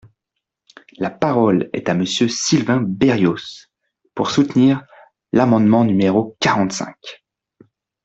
La parole est à Monsieur Sylvain Berrios, pour soutenir l’amendement numéro quarante-cinq.